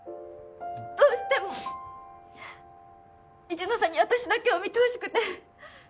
どうしても一ノ瀬に私だけを見てほしくて。